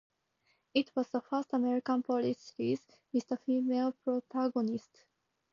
It was the first American police series with a female protagonist.